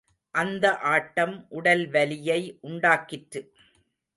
அந்த ஆட்டம் உடல்வலியை உண்டாக்கிற்று.